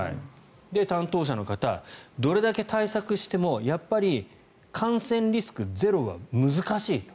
担当者の方はどれだけ対策してもやっぱり感染リスクゼロは難しいと。